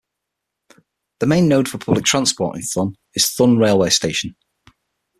The main node for public transport in Thun is Thun railway station.